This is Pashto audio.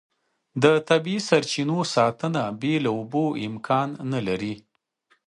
د طبیعي سرچینو ساتنه بې له اوبو امکان نه لري.